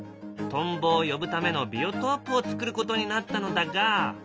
トンボを呼ぶためのビオトープをつくることになったのだが。